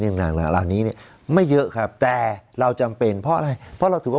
ต่างเหล่านี้เนี่ยไม่เยอะครับแต่เราจำเป็นเพราะอะไรเพราะเราถือว่า